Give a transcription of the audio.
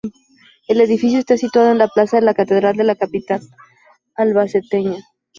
El edificio está situado en la plaza de la Catedral de la capital albaceteña.